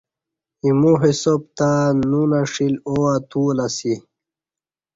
ایمو حساب تہ نو نݜیل او اتُولہ اسی۔